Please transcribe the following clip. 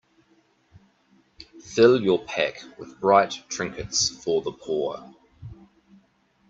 Fill your pack with bright trinkets for the poor.